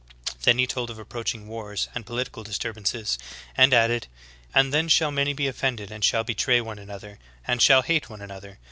"" Then He told of approaching wars and political disturbances, and added "And then shall many be offended and shall betray one another, and shall hate one another.